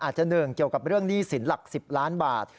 อาจจะ๑เกี่ยวกับเรื่องหนี้สินหลัก๑๐ล้านบาท